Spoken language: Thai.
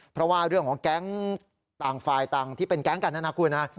เพราะว่าเรื่องของแก๊งต่างฝ่ายต่างที่เป็นแก๊งกันนะนะคุณนะ